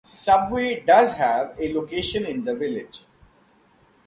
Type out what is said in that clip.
Subway does have a location in the village.